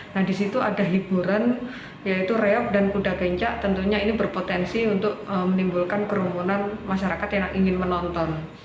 nah di situ ada hiburan yaitu reok dan kuda kenca tentunya ini berpotensi untuk menimbulkan kerumunan masyarakat yang ingin menonton